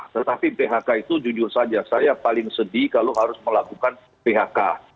tetapi phk itu jujur saja saya paling sedih kalau harus melakukan phk